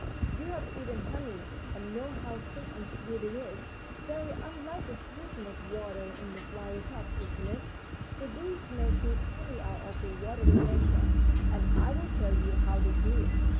"You have eaten honey, and know how thick and sweet it is. Very unlike the sweetened water in the flower cups, isn't it? The bees make this honey out of the watery nectar, and I will tell you how they do it.